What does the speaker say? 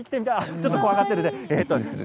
ちょっと怖がってるね。